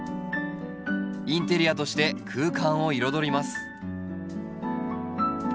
インテリアとして空間を彩ります。